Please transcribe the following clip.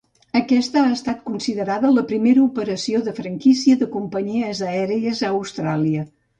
Aquesta ha estat considerada la primera operació de franquícia de companyies aèries a Austràlia.